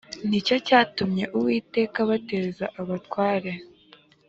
ni cyo cyatumye uwiteka abateza abatware